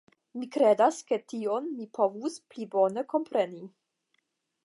Mi kredas ke tion mi povus pli bone kompreni.